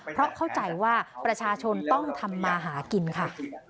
เพราะเข้าใจว่าประชาชนต้องทำมาหากินค่ะ